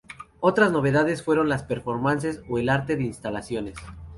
Otras novedades fueron las "performances" o el arte de instalaciones.